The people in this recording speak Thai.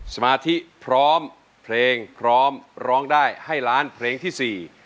สมาธิพร้อมเพลงพร้อมร้องได้ให้ล้านเพลงที่สี่